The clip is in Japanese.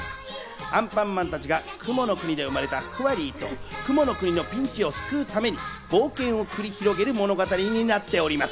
アンパンマンたちが雲の国で生まれたフワリーと雲の国のピンチを救うために冒険を繰り広げる物語になっております。